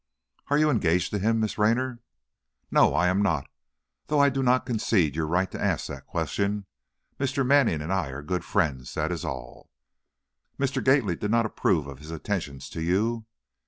"Are you engaged to him, Miss Raynor?" "No, I am not, though I do not concede your right to ask that question. Mr. Manning and I are good friends, that is all." "Mr. Gately did not approve of his attentions to you?"